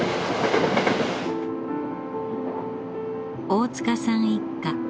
大塚さん一家。